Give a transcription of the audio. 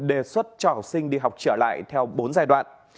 đề xuất cho học sinh đi học trở lại theo bốn giai đoạn